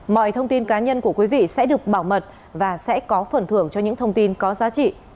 mọi thông tin cá nhân của quý vị sẽ được bảo mật và sẽ có phần thưởng cho những thông tin có giá trị